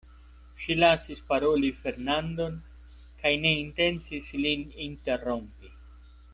Ŝi lasis paroli Fernandon, kaj ne intencis lin interrompi.